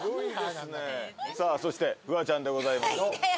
さあそしてフワちゃんでございます。